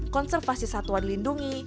konservasi satuan lindungi